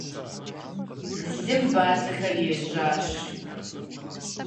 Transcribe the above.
Лым бадзэхэр ежащ.